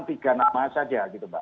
tiga nama saja gitu mbak